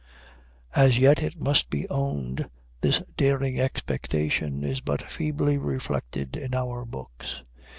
As yet, it must be owned, this daring expectation is but feebly reflected in our books.